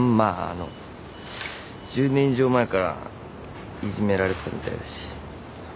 ああの１０年以上前からいじめられてたみたいだし。